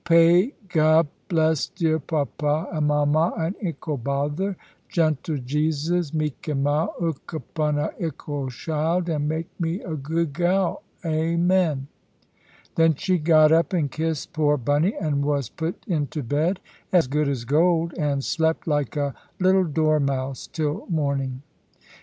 "Pay God bless dear papa, and mama, and ickle bother. Gentle Jesus, meek and mild, 'ook upon a ickle shild, and make me a good gal. Amen." Then she got up and kissed poor Bunny, and was put into bed as good as gold, and slept like a little dormouse till morning.